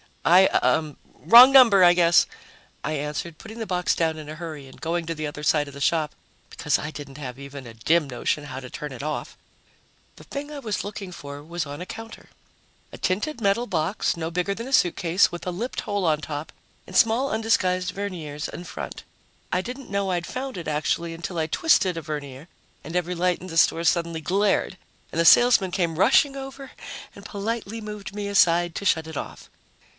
"I uh wrong number, I guess," I answered, putting the box down in a hurry and going to the other side of the shop because I didn't have even a dim notion how to turn it off. The thing I was looking for was on a counter a tinted metal box no bigger than a suitcase, with a lipped hole on top and small undisguised verniers in front. I didn't know I'd found it, actually, until I twisted a vernier and every light in the store suddenly glared and the salesman came rushing over and politely moved me aside to shut it off.